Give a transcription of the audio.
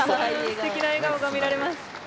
すてきなえがおが見られます。